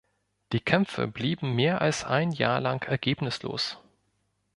Die Kämpfe blieben mehr als ein Jahr lang ergebnislos.